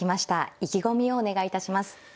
意気込みをお願いいたします。